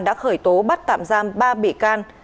đã khởi tố bắt tạm giam ba bị can